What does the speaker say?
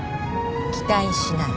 期待しない。